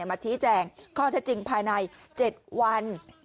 มาชี้แจงข้อเท็จจริงภายใน๗วัน